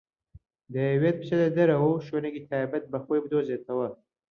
دەیەوێت بچێتە دەرەوە و شوێنێکی تایبەت بە خۆی بدۆزێتەوە.